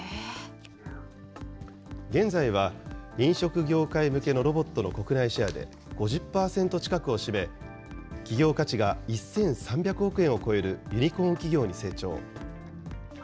現在は、飲食業界向けのロボットの国内シェアで５０％近くを占め、企業価値が１３００億円を超えるユニコーン企業に成長。